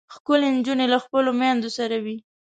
ښکلې نجونې له خپلو میندو سره وي.